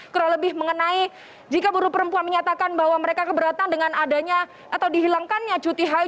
kurang lebih mengenai jika buruh perempuan menyatakan bahwa mereka keberatan dengan adanya atau dihilangkannya cuti hai